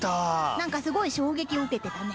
何かすごい衝撃を受けてたね。